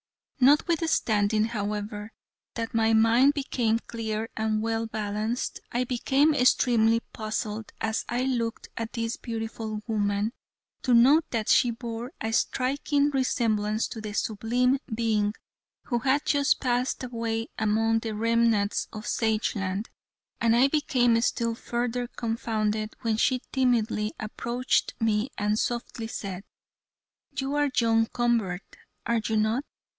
Notwithstanding, however, that my mind became clear and well balanced, I became extremely puzzled as I looked at this beautiful woman, to note that she bore a striking resemblance to the sublime being, who had just passed away among the remnants of Sageland, and I became still further confounded when she timidly approached me and softly said: "You are John Convert, are you not?"